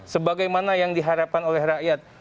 sebagai mana yang diharapkan oleh rakyat